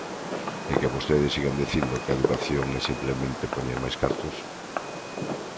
¡E que vostedes sigan dicindo que a educación é simplemente poñer máis cartos!